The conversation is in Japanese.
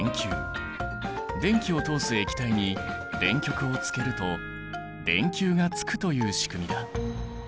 電気を通す液体に電極をつけると電球がつくという仕組みだ。